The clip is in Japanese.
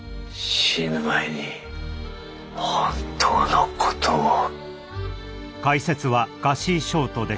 死ぬ前に本当の事を。